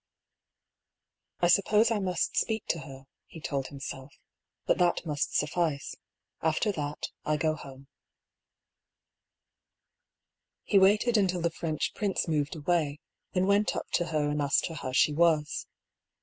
I suppose I must speak to her," he told himself; " but that must suffice. After that, I go home." He waited until the French prince moved away, then went up to her and asked her how she was.